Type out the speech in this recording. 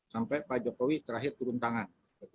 sampai pak jokowi terakhir turun tangan